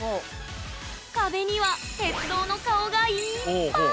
壁には鉄道の顔がいっぱい！